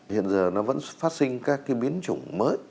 hiện giờ nó vẫn phát sinh các cái biến chủng mới